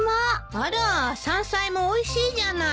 あら山菜もおいしいじゃない。